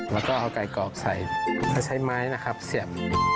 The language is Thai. แล้วก็เอาไก่กอบใส่แล้วใช้ไม้เสียบ